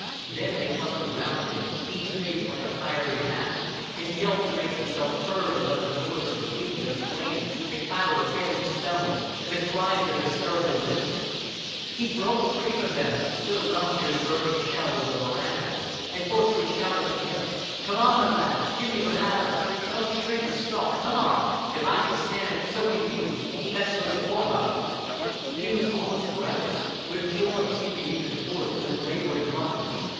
Then they clustered round him, each face like a fiery mask, and yelled to make themselves heard above the noise of the wind and the flames, the clatter of failing stone, and the cries of hysterical women. He broke free from them, stood alone near the burning shell of the veranda, and hoarsely shouted from there. "Come on, ma lads. Give me the ladder. Don't shrink or skulk. Come on. If I can stan' it so can you. Fetch those floor rugs." He was almost breathless, but joy seemed to give force to his laboring lungs.